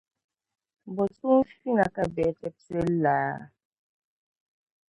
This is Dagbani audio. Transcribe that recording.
Bo tuunfina ka bihi ti pili laa!